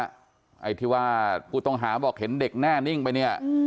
ถูกต้องค่ะพูดต้องหาบอกเห็นเด็กแน่นิ่งไปเนี่ย